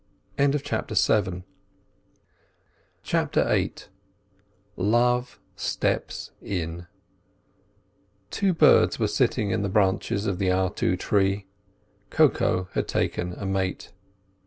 CHAPTER VIII LOVE STEPS IN Two birds were sitting in the branches of the artu tree: Koko had taken a mate.